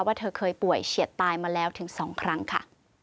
ว่าเธอเคยป่วยเฉียดตายมาแล้วถึง๒ครั้งค่ะ